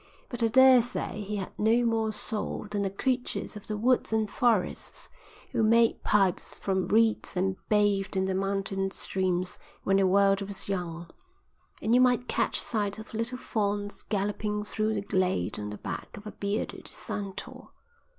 But I daresay he had no more soul than the creatures of the woods and forests who made pipes from reeds and bathed in the mountain streams when the world was young, and you might catch sight of little fawns galloping through the glade on the back of a bearded centaur.